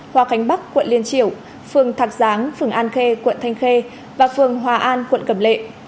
hòa khánh bắc quận liên triểu phường thạc giáng phường an khê quận thanh khê và phường hòa an quận cầm lệ